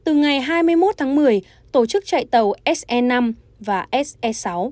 từ ngày hai mươi một tháng một mươi tổ chức chạy tàu se năm và se sáu